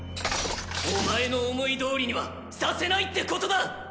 お前の思いどおりにはさせないってことだ！